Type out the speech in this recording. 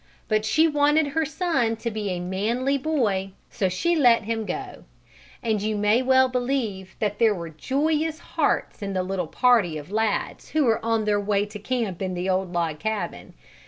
But she wanted her son to be a manly boy, so she let him go. And you may well believe there were joyous hearts in the little party of lads who were on their way to camp in the old log cabin.